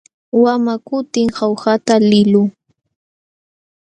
Wamaq kutim Jaujata liqluu.